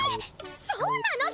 そうなの？